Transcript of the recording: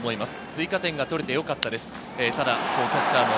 追加点が取れてよかったです。